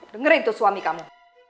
dengerin tuh suami kamu